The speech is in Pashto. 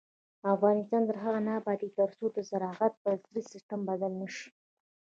افغانستان تر هغو نه ابادیږي، ترڅو زراعت په عصري سیستم بدل نشي.